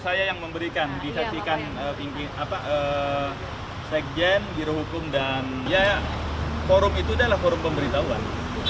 saya yang memberikan disaksikan sekjen birohukum dan ya forum itu adalah forum pemberitahuan